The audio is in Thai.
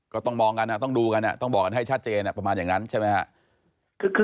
ก็ต้องมองกันต้องดูกันต้องบอกให้ชัดเจนแบบนั้นแหละใช่ไหมครับ